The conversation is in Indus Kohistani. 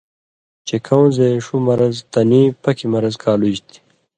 چے کؤں زئ ݜُو مرض تنی پکیۡ مرض کالُژیۡ تھی۔